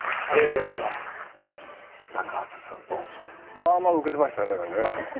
まあまあウケてましたよね。